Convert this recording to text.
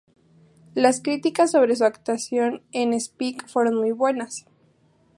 Las críticas sobre su actuación en "Speak" fueron muy buenas.